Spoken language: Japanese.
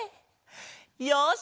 よし！